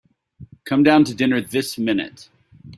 Come down to dinner this minute.